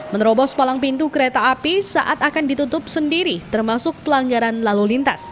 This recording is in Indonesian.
menerobos palang pintu kereta api saat akan ditutup sendiri termasuk pelanggaran lalu lintas